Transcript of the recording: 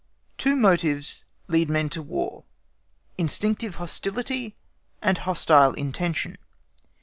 Two motives lead men to War: instinctive hostility and hostile intention.